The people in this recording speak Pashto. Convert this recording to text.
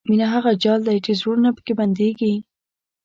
مینه هغه جال دی چې زړونه پکې بندېږي.